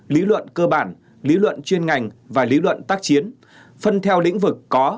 lý luận cơ bản lý luận chuyên ngành và lý luận tác chiến phân theo lĩnh vực có